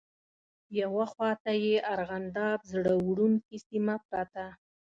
یوه خواته یې ارغنداب زړه وړونکې سیمه پرته.